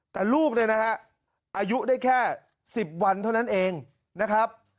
แต่ลูกเนี่ยนะฮะอายุได้แค่๑๐วันเท่านั้นเองนะครับ